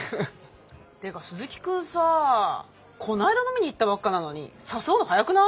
てか鈴木くんさあこないだ飲みに行ったばっかなのに誘うの早くない？